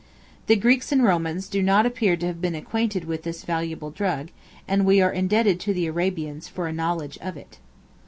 The Greeks and Romans do not appear to have been acquainted with this valuable drug; and we are indebted to the Arabians for a knowledge of it.